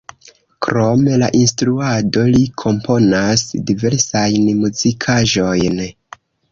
Krom la instruado li komponas diversajn muzikaĵojn.